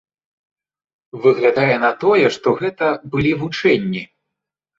Выглядае на тое, што гэта былі вучэнні.